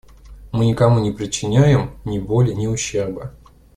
Мы никому не причиняем ни боли, ни ущерба.